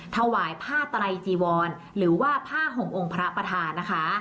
ถวายผ้าไตรจีวรหรือว่าผ้าห่มองค์พระประธานนะคะ